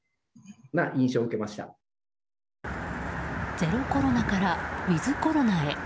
ゼロコロナからウィズコロナへ。